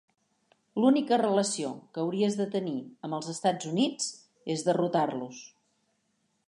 L'única relació que hauries de tenir amb els Estats Units és derrotar-los!